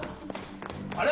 あれ？